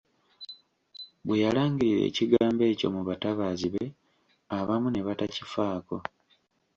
Bwe yalangirira ekigambo ekyo mu batabaazi be, abamu ne batakifaako.